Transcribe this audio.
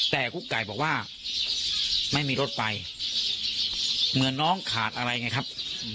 แต่กุ๊กไก่บอกว่าไม่มีรถไปเหมือนน้องขาดอะไรไงครับ